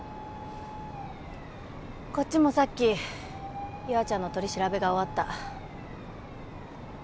こっちもさっき優愛ちゃんの取り調べが終わった。